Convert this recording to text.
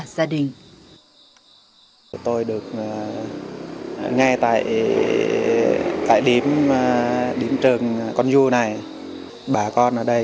đã được mở tại đây